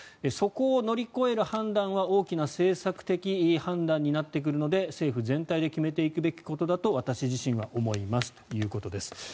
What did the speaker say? そこを乗り越える判断は大きな政策的判断になってくるので政府全体で決めていくべきことだと私自身は思いますということです。